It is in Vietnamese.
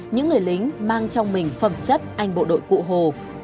những người lính mang trong mình phẩm chất anh bộ đội cụ hồ